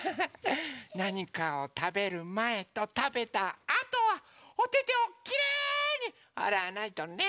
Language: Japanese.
なにかをたべるまえとたべたあとはおててをきれいにあらわないとね！